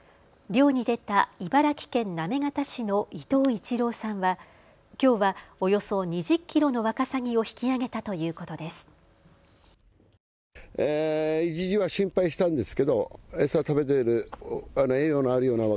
漁に出た茨城県行方市の伊藤一郎さんはきょうはおよそ２０キロのワカサギを引き揚げたということです。